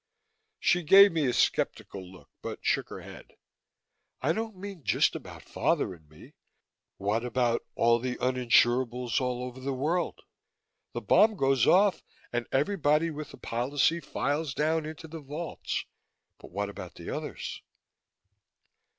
She gave me a skeptical look, but shook her head. "I don't mean just about father and me. What about all of the uninsurables, all over the world? The bomb goes off, and everybody with a policy files down into the vaults, but what about the others?"